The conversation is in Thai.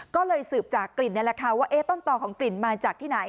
ก็เลยสืบจากกลิ่นนี่แหละค่ะว่าต้นต่อของกลิ่นมาจากที่ไหน